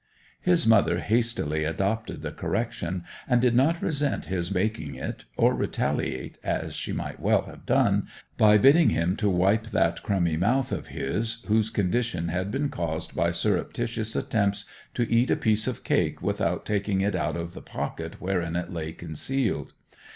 His mother hastily adopted the correction, and did not resent his making it, or retaliate, as she might well have done, by bidding him to wipe that crumby mouth of his, whose condition had been caused by surreptitious attempts to eat a piece of cake without taking it out of the pocket wherein it lay concealed.